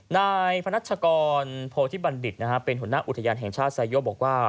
ในพนักศักรณ์โพธิบัณฑิตเป็นหัวหน้าอุทยานแห่งชาติสายโยคบอกว่า